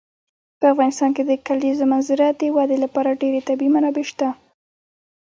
په افغانستان کې د کلیزو منظره د ودې لپاره ډېرې طبیعي منابع شته دي.